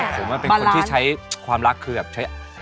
ผมว่าเป็นคนที่ใช้ความรักคือแบบใช้เหตุผล